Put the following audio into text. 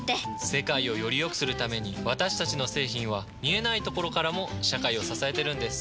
世界をよりよくするために私たちの製品は見えないところからも社会を支えてるんです。